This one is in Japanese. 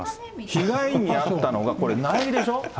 被害に遭ったのが、これ、苗木でしょ。